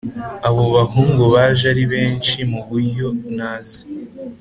abo bahungu baje ari benshi mu buryo ntazi